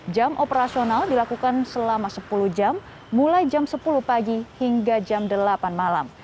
jam operasional dilakukan selama sepuluh jam mulai jam sepuluh pagi hingga jam delapan malam